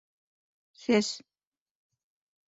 Сәс